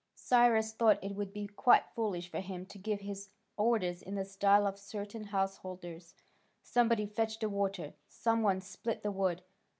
Cyrus thought it would be quite foolish for him to give his orders in the style of certain householders: "Somebody fetch the water, some one split the wood."